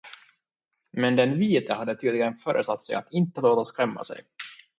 Men den vite hade tydligen föresatt sig att inte låta skrämma sig.